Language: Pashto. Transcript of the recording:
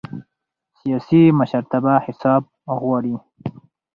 سیاسي مشرتابه حساب غواړي